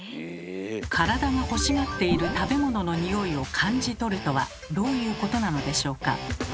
体が欲しがっている食べ物の匂いを感じとるとはどういうことなのでしょうか？